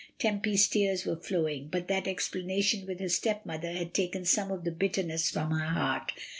Tempy's tears were flowing; but that explanation with her stepmother had taken some of the bitterness from her heart.